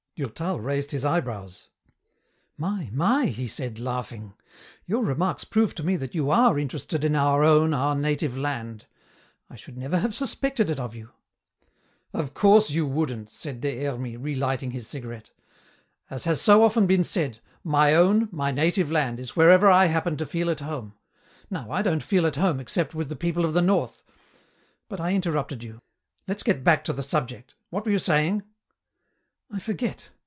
Durtal raised his eyebrows. "My, my," he said, laughing. "Your remarks prove to me that you are interested in 'our own, our native land.' I should never have suspected it of you." "Of course you wouldn't," said Des Hermies, relighting his cigarette. "As has so often been said, 'My own, my native land is wherever I happen to feel at home.' Now I don't feel at home except with the people of the North. But I interrupted you. Let's get back to the subject. What were you saying?" "I forget.